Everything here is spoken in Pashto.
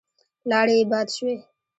لاړې يې باد شوې.